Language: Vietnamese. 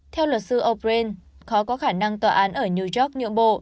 theo luật sư o bran khó có khả năng tòa án ở new york nhượng bộ